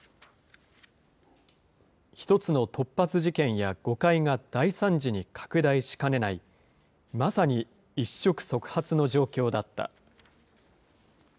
一つの突発事件や誤解が大惨事に拡大しかねない、まさに一触即発の状況だった。